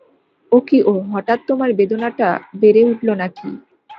ও কী ও, হঠাৎ তোমার বেদনাটা বেড়ে উঠল নাকি।